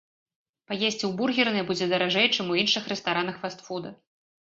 Паесці ў бургернай будзе даражэй, чым у іншых рэстаранах фаст-фуда.